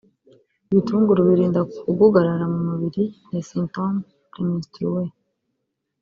Ibitunguru birinda kugugarara mu mubiri (les symptômes prémenstruels)